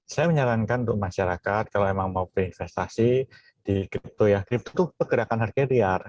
saya menyarankan untuk masyarakat kalau memang mau berinvestasi di crypto ya kripto itu pergerakan harga liar